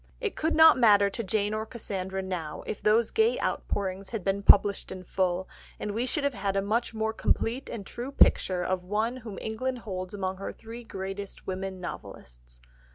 It could not matter to Jane or Cassandra now if those gay outpourings had been published in full, and we should have had a much more complete and true picture of one whom England holds among her three greatest women novelists.